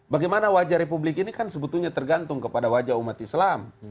bagaimana wajah republik ini kan sebetulnya tergantung kepada wajah umat islam